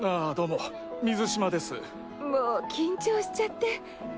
もう緊張しちゃって。